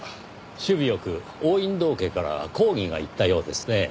首尾良く王隠堂家から抗議がいったようですねぇ。